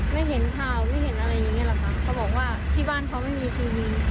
ไม่เห็นข่าวไม่เห็นอะไรอย่างเงี้หรอกค่ะเขาบอกว่าที่บ้านเขาไม่มีทีวี